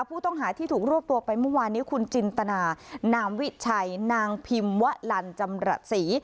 ผู้ต้องหาที่ถูกรวบตัวไปเมื่อวานนี้คุณจินตนานามวิชัยนางพิมวะลันจำระศรี